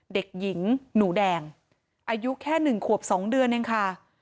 เด็กหญิงหนูแดงอายุแค่๑ขวบ๒เดือนเองค่ะ